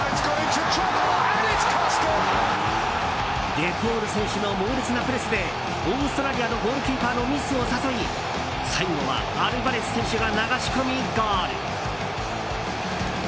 デパウル選手の猛烈なプレスでオーストラリアのゴールキーパーのミスを誘い最後はアルヴァレス選手が流し込み、ゴール。